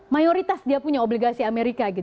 mayoritas dia punya obligasi amerika gitu